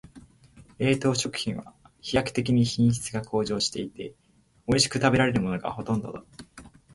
冷凍食品は飛躍的に品質が向上していて、おいしく食べられるものがほとんどだ。